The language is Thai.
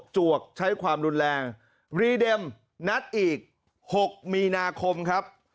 จวกใช้ความรุนแรงรีเด็มนัดอีก๖มีนาคมครับ